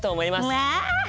うわ！